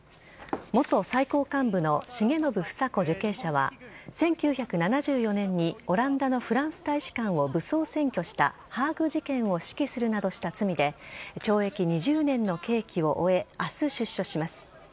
元最高幹部の重信房子受刑者は１９７４年にオランダのフランス大使館を武装占拠したハーグ事件を指揮するなどした罪で懲役２０年の刑期を終え明日、出所します。